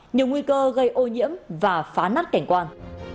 nhiều nguy cơ gây ô nhiễm và phá nắt cảnh quan